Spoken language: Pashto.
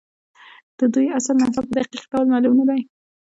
د دوی اصل نسب په دقیق ډول معلوم نه دی.